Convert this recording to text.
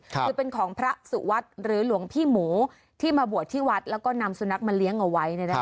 คือเป็นของพระสุวัสดิ์หรือหลวงพี่หมูที่มาบวชที่วัดแล้วก็นำสุนัขมาเลี้ยงเอาไว้